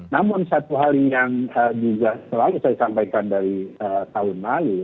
namun satu hal yang juga selalu saya sampaikan dari tahun lalu